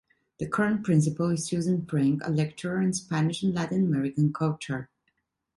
The current principal is Susan Frenk, a lecturer in Spanish and Latin-American culture.